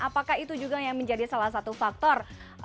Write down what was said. apakah itu juga yang menjadi salah satu faktor